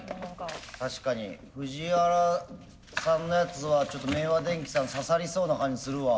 確かに藤原さんのやつはちょっと明和電機さん刺さりそうな感じするわ。